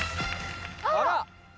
あら！